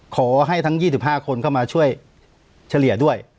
ขอให้ทั้ง๒๕คนเข้ามาช่วยเฉลี่ยด้วย